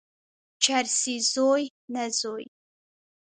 چرسي زوی، نه زوی.